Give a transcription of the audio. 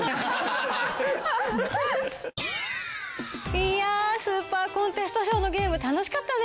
いやスーパーコンテストショーのゲーム楽しかったね。